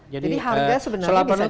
jadi harga sebenarnya bisa ditekan